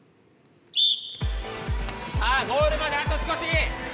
さあゴールまであと少し！